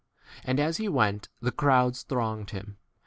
And as he went the crowds 43 thronged him.